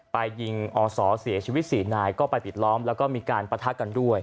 ไปยิงอศเสียชีวิต๔นายก็ไปปิดล้อมแล้วก็มีการปะทะกันด้วย